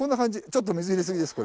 ちょっと水入れすぎです